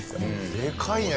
でかいね。